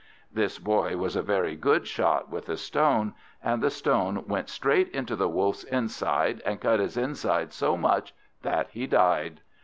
This Boy was a very good shot with a stone, and the stone went straight into the Wolf's inside, and cut his inside so much that he died.